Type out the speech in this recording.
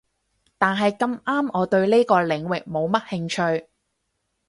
但係咁啱我對呢個領域冇乜興趣